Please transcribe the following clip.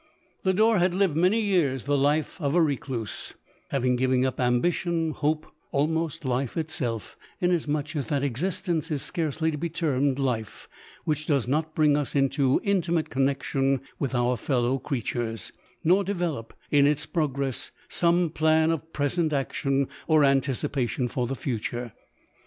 Lodore had lived many years the life of a recluse, having given up ambition, hope, almost life itself, inasmuch as that existence is scarcely to be termed life, which does not bring us into intimate connexion with our fellow creature nor develope in its progress some plan of present action or anticipation for the future.